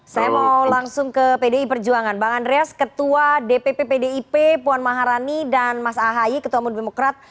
saya mau langsung ke pdi perjuangan bang andreas ketua dpp pdip puan maharani dan mas ahayi ketua mudemokrat